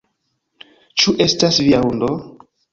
"Ĉu estas via hundo?"